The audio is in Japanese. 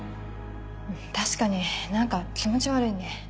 確かに何か気持ち悪いね。